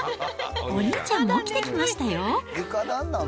お兄ちゃんも起きてきましたよ。